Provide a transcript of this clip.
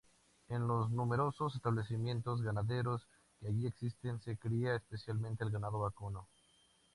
En los numerosos establecimientos ganaderos que allí existen se cría especialmente el ganado vacuno.